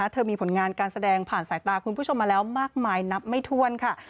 เธอมีผลงานการแสดงผ่านสายตาคุณผู้ชมมาแล้วมากมายนับไม่ถ้วนค่ะ